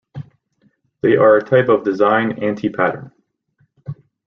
They are a type of design anti-pattern.